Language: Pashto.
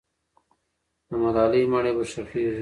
د ملالۍ مړی به ښخېږي.